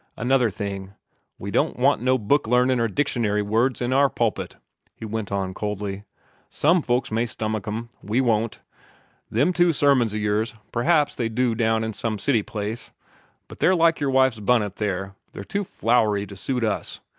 "Another thing: We don't want no book learnin' or dictionary words in our pulpit," he went on coldly. "Some folks may stomach 'em; we won't. Them two sermons o' yours, p'r'aps they'd do down in some city place; but they're like your wife's bunnit here, they're too flowery to suit us.